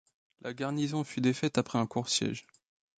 La garnison fut défaite après un court siège.